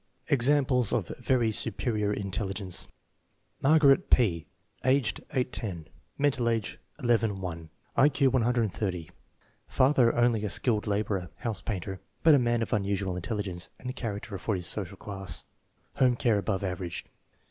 Examples of very superior intelligence Margaret P. Age 8 10; mental age 11 1; I Q 130. Father only a skilled laborer (house painter), but a man of unusual intelligence and character for his social class. Home care above average.